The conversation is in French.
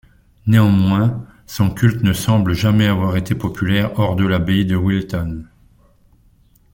Néanmoins, son culte ne semble jamais avoir été populaire hors de l'abbaye de Wilton.